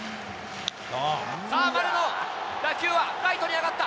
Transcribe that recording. さあ、丸の打球はライトに上がった。